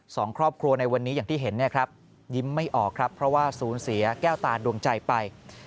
สองครอบครัวในวันนี้อย่างที่เห็นเนี่ยครับยิ้มไม่ออกครับเพราะว่าศูนย์เสียแก้วตาดวงใจไป